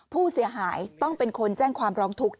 ผู้เสียหายต้องเป็นคนแจ้งความร้องทุกข์